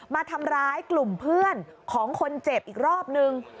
มาทำร้ายกลุ่มเพื่อนของคนเจ็บอีกรอบนึง